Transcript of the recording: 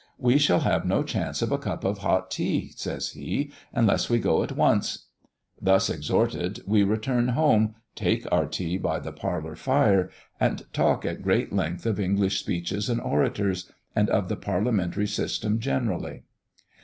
"We shall have no chance of a cup of hot tea," says he, "unless we go at once." Thus exhorted, we return home, take our tea by the parlour fire, and talk at great length of English speeches and orators, and of the parliamentary system generally.